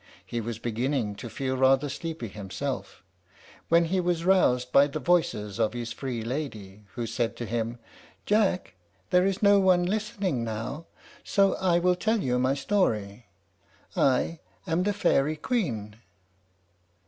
He was beginning to feel rather sleepy himself, when he was roused by the voice of his free lady, who said to him, "Jack, there is no one listening now, so I will tell you my story. I am the Fairy Queen!"